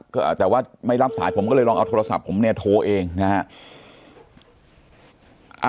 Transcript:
ก็แต่ว่าไม่รับสายผมก็เลยลองเอาโทรศัพท์ผมเนี่ยโทรเองนะฮะ